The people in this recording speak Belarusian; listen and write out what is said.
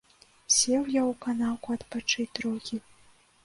Сеў я ў канаўку адпачыць трохі.